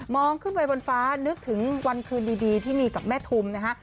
ขึ้นไปบนฟ้านึกถึงวันคืนดีที่มีกับแม่ทุมนะฮะ